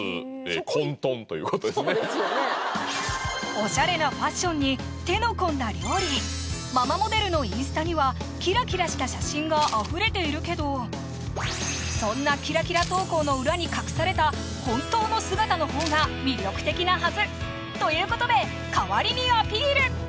オシャレなファッションに手の込んだ料理ママモデルのインスタにはキラキラした写真があふれているけどそんなキラキラ投稿の裏に隠された本当の姿のほうが魅力的なはず！ということで代わりにアピール